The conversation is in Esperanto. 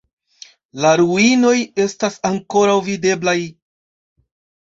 La ruinoj estas ankoraŭ videblaj.